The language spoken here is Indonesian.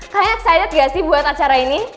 kayaknya excited gak sih buat acara ini